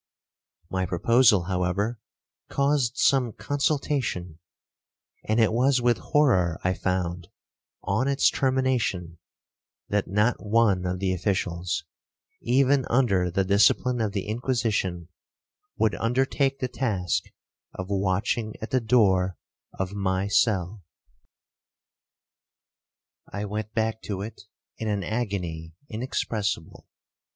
My proposal, however, caused some consultation; and it was with horror I found, on its termination, that not one of the officials, even under the discipline of the Inquisition, would undertake the task of watching at the door of my cell. 'I went back to it in an agony inexpressible.